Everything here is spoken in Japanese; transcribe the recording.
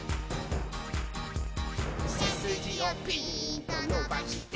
「せすじをピーンとのばして」